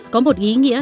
có một ý nghĩa